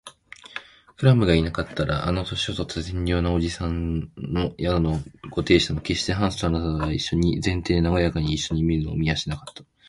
クラムがいなかったら、あの年とった善良な伯父さんの宿のご亭主も、けっしてハンスとあなたとが前庭でなごやかにいっしょにいるのを見はしなかった